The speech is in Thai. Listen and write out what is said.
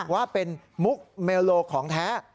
ว่าเป็นมุกเมลโลของแท้